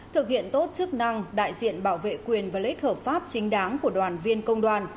thực hiện tốt chức năng đại diện bảo vệ quyền và lấy khẩu pháp chính đáng của đoàn viên công đoàn